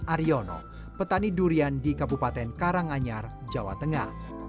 itulah yang dilakukan johan ariono petani durian di kabupaten karanganyar jawa tengah